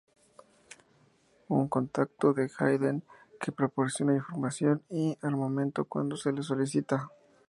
Un contacto de Hayden, que proporciona información y armamento cuando se le solicita.